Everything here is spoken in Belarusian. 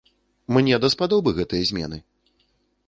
Мне даспадобы гэтыя змены!